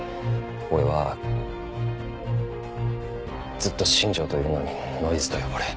俺はずっと新庄といるのにノイズと呼ばれ。